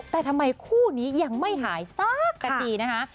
แต่ทำไมคู่นี้ยังไม่หายสักกันดีนะคะ